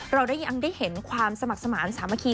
เรายังได้เห็นความสมัครสมาธิสามัคคี